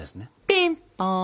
ピンポン！